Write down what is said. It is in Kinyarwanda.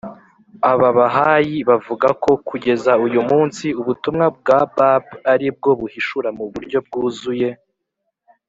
ababahayi bavuga ko kugeza uyu munsi ubutumwa bwa bāb ari bwo buhishura mu buryo bwuzuye